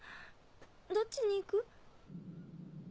どっちに行く？